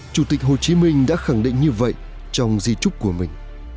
chủ tịch hồ chí minh đã khẳng định như vậy trong di trúc của mình